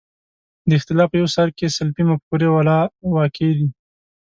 د اختلاف په یو سر کې سلفي مفکورې والا واقع دي.